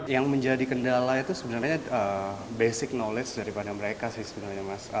yang menjadi kendala itu sebenarnya basic knowledge daripada mereka sih sebenarnya mas